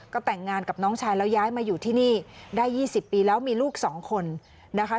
ก็แต่งงานกับน้องชายแล้วย้ายมาอยู่ที่นี่ได้๒๐ปีแล้วมีลูก๒คนนะคะ